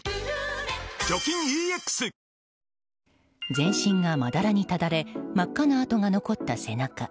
全身がまだらにただれ真っ赤な痕が残った背中。